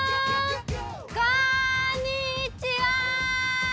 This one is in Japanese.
こんにちは！